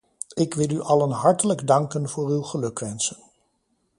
Ik wil u allen hartelijk danken voor uw gelukwensen.